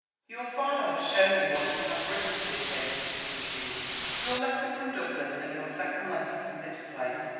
"Your father has shown me what you have written to him," he resumed; "your letter from Dublin and your second letter from this place.